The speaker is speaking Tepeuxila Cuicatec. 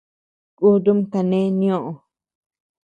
Kutum kane nioo.